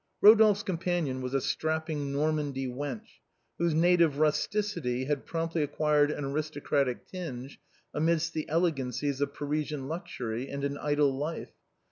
Rodolphe's companion was a strapping Normandy wench, whose native rusticity had promptly acquired an aristocratic tinge amidst the elegancies of Parisian luxury and an idle life.